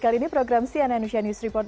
kali ini program cnn news report